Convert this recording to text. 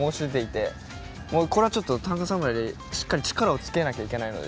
これはちょっと「短歌侍」でしっかり力をつけなきゃいけないので。